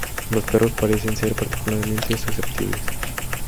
Los perros parecen ser particularmente susceptibles.